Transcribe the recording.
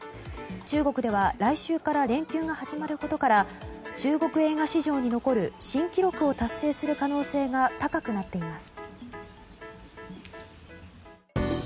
中国では来週から連休が始まることから中国映画史上に残る新記録を達成する可能性が高くなっています。